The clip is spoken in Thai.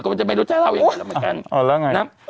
ก็มันจะไม่รู้จะเอาอย่างไรแล้วเหมือนกัน